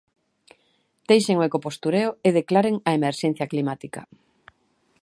Deixen o ecopostureo e declaren a emerxencia climática.